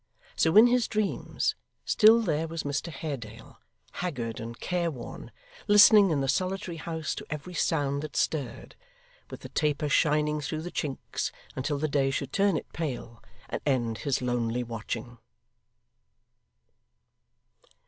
So in his dreams still there was Mr Haredale, haggard and careworn, listening in the solitary house to every sound that stirred, with the taper shining through the chinks until the day should turn it pale and end his lonely watching.